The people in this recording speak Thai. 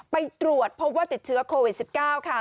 ไปตรวจพบว่าติดเชื้อโควิด๑๙ค่ะ